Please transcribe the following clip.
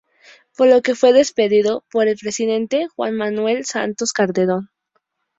Por lo que fue despedido por el presidente Juan Manuel Santos Calderón